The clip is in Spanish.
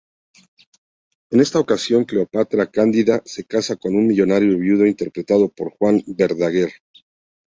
En esta ocasión cleopatra-Cándida se casa con un millonario viudo interpretado por Juan Verdaguer.